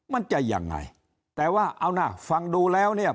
มันจะยังไงแต่ว่าเอานะฟังดูแล้วเนี่ย